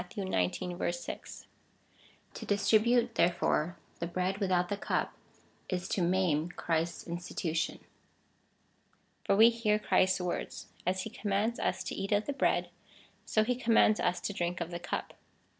xix. 6.) To distri bute, therefore, the bread without the cup, is to maim Christ's institution.^ For we hear Christ's words. As he commands us to eat of the bread, so he commands us to drink of the cup.